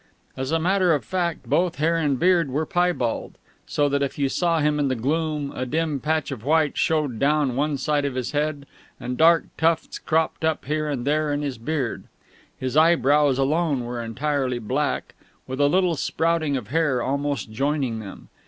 As a matter of fact, both hair and beard were piebald, so that if you saw him in the gloom a dim patch of white showed down one side of his head, and dark tufts cropped up here and there in his beard. His eyebrows alone were entirely black, with a little sprouting of hair almost joining them.